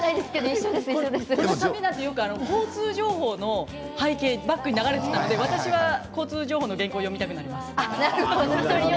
よく交通情報の背景バックに流れていたので私は交通情報の原稿を読みたくなります。